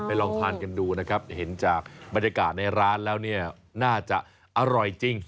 ลองทานกันดูนะครับเห็นจากบรรยากาศในร้านแล้วเนี่ยน่าจะอร่อยจริง